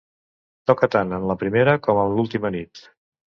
Toca tant en la primera com en l'última nit.